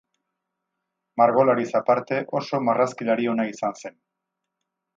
Margolari aparte oso marrazkilari ona izan zen.